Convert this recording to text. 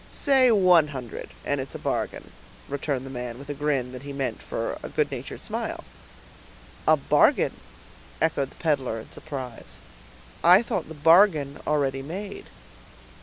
"Say one hundred, and it is a bargain," returned the man, with a grin that he meant for a good natured smile. "A bargain!" echoed the peddler, in surprise. "I thought the bargain already made."